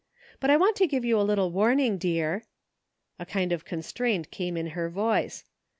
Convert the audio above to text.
But I want to give you a little warning, dear." A kind of constraint came in her voice.